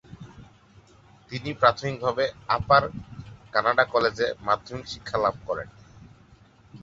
তিনি প্রাথমিকভাবে Upper Canada কলেজে মাধ্যমিক শিক্ষা লাভ করেন।